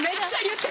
って。